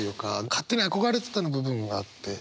勝手に憧れてた部分があって。